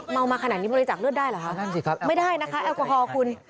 เมามาขนาดนี้บริจาคเลือดได้เหรอไม่ได้นะคะที่อัลกอฮอล์คุณ